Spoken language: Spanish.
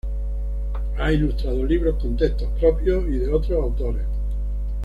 Ha ilustrado libros con textos propios y de otros autores.